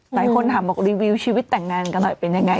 หลายคนถามบอกรีวิวชีวิตแต่งงานกันหน่อยเป็นยังไง